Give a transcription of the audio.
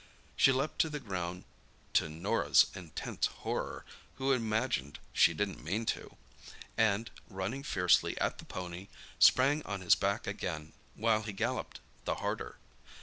She leapt to the ground (to Norah's intense horror, who imagined she didn't mean to), and, running fiercely at the pony, sprang on his back again, while he galloped the harder.